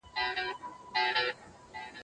مار يې ولیدی چي پروت وو بېگمانه